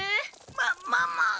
マママ。